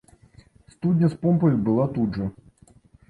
Студня з помпаю была тут жа.